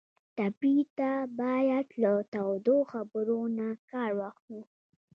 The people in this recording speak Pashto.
ټپي ته باید له تودو خبرو نه کار واخلو.